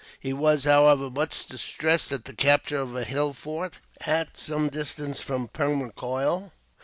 He was, however, much distressed at the capture of a hill fort, at some distance from Permacoil.